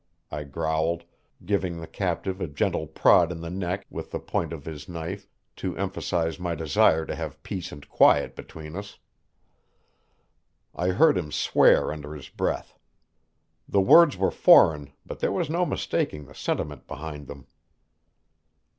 I growled, giving the captive a gentle prod in the neck with the point of his knife to emphasize my desire to have peace and quiet between us. I heard him swear under his breath. The words were foreign, but there was no mistaking the sentiment behind them.